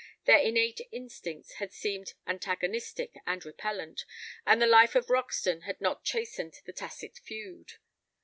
Their innate instincts had seemed antagonistic and repellent, and the life of Roxton had not chastened the tacit feud.